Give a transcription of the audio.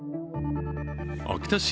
秋田市